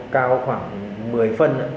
cao khoảng một mươi phân